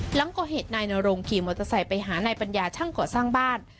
หลังก่อเหตุนายนรงขี่มอเตอร์ไซค์ไปหานายปัญญาช่างก่อสร้างบ้าน